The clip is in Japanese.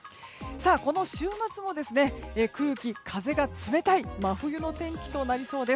この週末も空気、風が冷たい真冬の天気となりそうです。